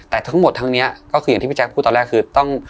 แต่ทั้งหมดทั้งนี้ก็คืออย่างที่พี่แจ๊คพูดตอนแรกคือต้อง